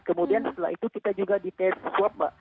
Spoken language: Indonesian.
kemudian setelah itu kita juga di tes swab mbak